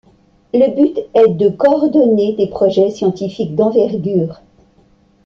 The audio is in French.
Le but est de coordonner des projets scientifiques d'envergure.